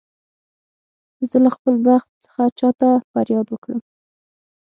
زه له خپل بخت څخه چا ته فریاد وکړم.